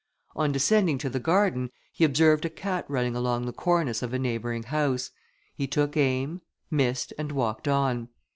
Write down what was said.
On descending to the garden, he observed a cat running along the cornice of a neighbouring house; he took aim, missed, and walked on.